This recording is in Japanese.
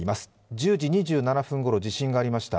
１０時２７分ごろ地震がありました。